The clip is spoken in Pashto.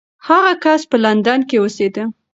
هغه کس په لندن کې اوسېده.